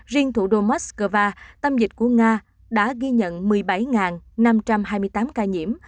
riêng thủ đô moscow tâm dịch của nga đã ghi nhận một mươi bảy năm trăm hai mươi tám ca nhiễm